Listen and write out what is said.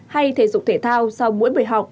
hay thể dục thể thao sau mỗi buổi học